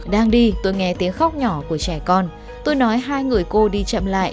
đang đi tôi nghe tiếng khóc nhỏ của trẻ con tôi nói hai người cô đi chậm lại